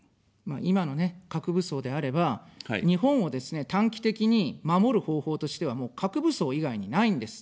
今のね、核武装であれば、日本をですね、短期的に守る方法としては、もう核武装以外にないんです。